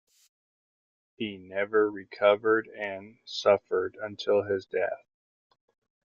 He never recovered and suffered until his death.